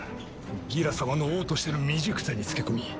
ギラ様の王としての未熟さに付け込み